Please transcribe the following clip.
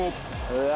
うわ！